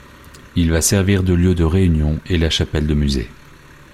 Il va servir de lieu de réunion et la chapelle de musée.